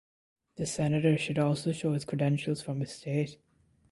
The senator should also show his credentials from his state.